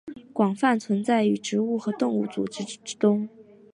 广泛存在于植物和动物组织中。